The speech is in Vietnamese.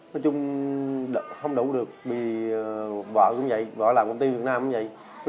nói chung không đủ được vì vợ cũng vậy vợ làm công ty việt nam cũng vậy